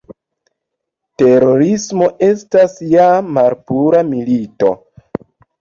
Terorismo estas ja malpura "milito".